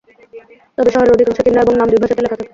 তবে শহরের অধিকাংশ চিহ্ন এবং নাম দুই ভাষাতেই লেখা থাকে।